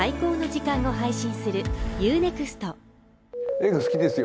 映画好きです